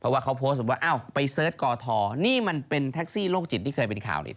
ว่าเขาโพสต์ว่าอ้าวไปเสิร์ชกอทอนี่มันเป็นแท็กซี่โรคจิตที่เคยเป็นข่าวเนี่ย